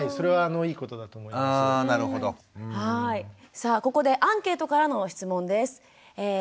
さあここでアンケートからの質問です。